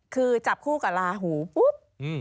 คือจับคู่กับลาหูปุ๊บ